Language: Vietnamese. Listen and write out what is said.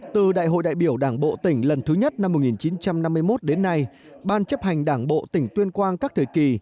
từ đại hội đại biểu đảng bộ tỉnh lần thứ nhất năm một nghìn chín trăm năm mươi một đến nay ban chấp hành đảng bộ tỉnh tuyên quang các thời kỳ